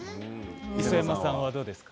磯山さんはどうですか？